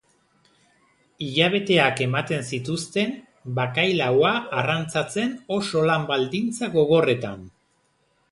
Hilabeteak ematen zituzten bakailaoa arrantzatzen oso lan baldintza gogorretan.